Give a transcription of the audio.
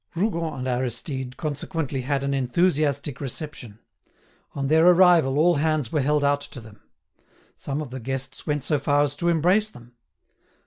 Rougon and Aristide consequently had an enthusiastic reception; on their arrival all hands were held out to them. Some of the guests went so far as to embrace them.